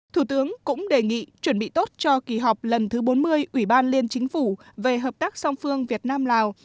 thủ tướng cũng đề nghị chuẩn bị tốt cho kỳ họp lần thứ bốn mươi ủy ban liên chính phủ về hợp tác song phương việt nam lào